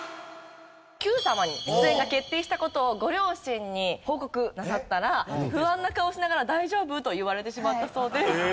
『Ｑさま！！』に出演が決定した事をご両親に報告なさったら不安な顔をしながら「大丈夫？」と言われてしまったそうです。